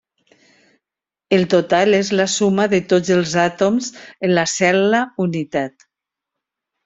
El total és la suma de tots els àtoms en la cel·la unitat.